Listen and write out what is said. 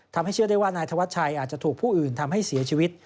เชื่อได้ว่านายธวัชชัยอาจจะถูกผู้อื่นทำให้เสียชีวิต